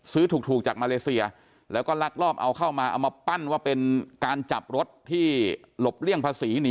ซื้อถูกจากมาเลเซียแล้วก็ลักลอบเอาเข้ามาเอามาปั้นว่าเป็นการจับรถที่หลบเลี่ยงภาษีหนี